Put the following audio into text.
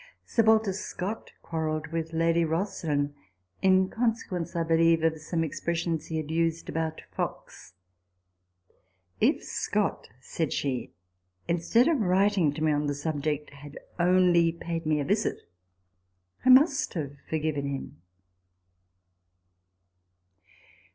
Sir Walter Scott quarrelled with Lady Roslin, in consequence, I believe, of some expres sions he had used about Fox. " If Scott," said she, " instead of writing to me on the subject, had only paid me a visit, I must have forgiven him."